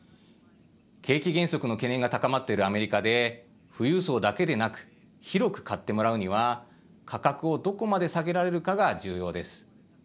景気減速の懸念が高まっているアメリカで富裕層だけでなく広く買ってもらうには価格をどこまで下げられるかが重要です。